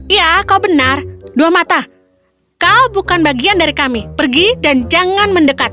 ya kau benar dua mata kau bukan bagian dari kami pergi dan jangan mendekat